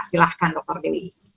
silakan dokter dewi